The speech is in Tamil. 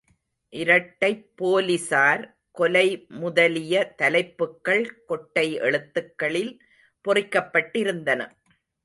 இரட்டைப் போலிஸார் கொலை முதலிய தலைப்புகள் கொட்டை எழுத்துக்களில் பொறிக்கப்பட்டிருந்தன.